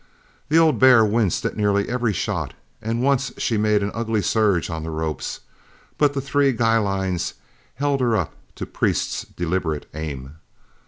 The old bear winced at nearly every shot, and once she made an ugly surge on the ropes, but the three guy lines held her up to Priest's deliberate aim.